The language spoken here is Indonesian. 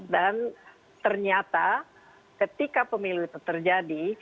dan ternyata ketika pemilu itu terjadi